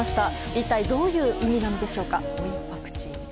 一体どういう意味でしょうか。